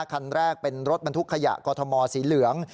คันแรกเป็นรถบรรทุกขยะกอทมสีเหลือง